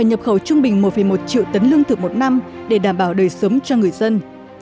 nhập khẩu trung bình một một triệu tấn lương thực một năm để đảm bảo đời sống cho người dân